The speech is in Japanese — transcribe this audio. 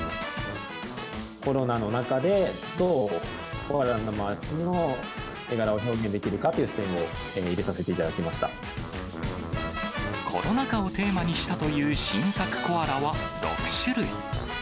コロナの中で、どうコアラのマーチの絵柄を表現できるかという視点を入れさせてコロナ禍をテーマにしたという新作コアラは６種類。